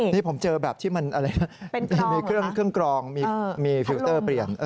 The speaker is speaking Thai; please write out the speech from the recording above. นี่ผมเจอแบบที่มันมีเครื่องกรองมีฟิลเตอร์เปลี่ยน